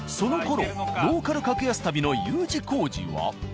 ローカル格安旅のＵ字工事は。